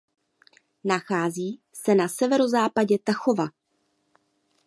Nachází se na severozápadě Tachova.